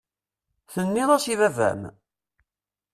Tenniḍ-as i baba-m?